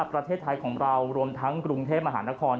ประเทศไทยของเรารวมทั้งกรุงเทพมหานคร